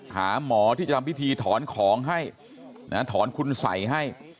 หาหมอที่จะทำพิธีถอนของให้ถอนคุณสัยให้